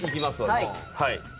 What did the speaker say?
はい。